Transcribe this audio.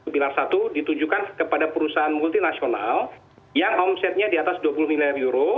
pilar satu ditujukan kepada perusahaan multinasional yang omsetnya di atas dua puluh miliar euro